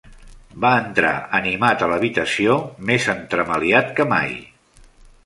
Va entrar animat a l'habitació, més entremaliat que mai.